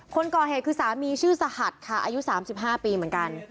คนก่อเหตุคือสามีชื่อสหัสค่ะอายุ๓๕ปีเหมือนกัน